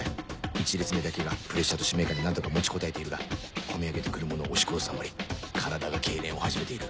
１列目だけがプレッシャーと使命感で何とか持ちこたえているが込み上げて来るものを押し殺すあまり体が痙攣を始めている